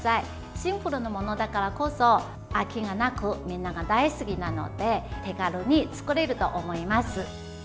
シンプルなものだからこそ飽きがなくみんなが大好きなので手軽に作れると思います。